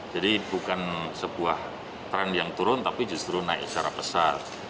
jadi bukan sebuah trend yang turun tapi justru naik secara besar